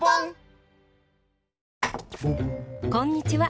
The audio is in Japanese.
こんにちは。